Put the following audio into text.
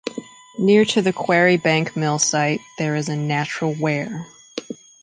Near to the Quarry Bank Mill site there is a natural weir.